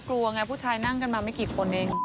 ก็กลัวง่ายผู้ชายนั่งมามาไม่กี่คนเอง